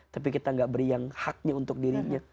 tapi kita gak beri yang haknya untuk dirinya